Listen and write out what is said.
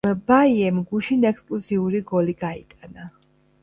მბაიემ გუშინ ექსკლუზიური გოლი გაიტანა